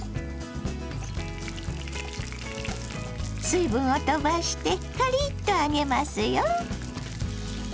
水分を飛ばしてカリッと揚げますよ。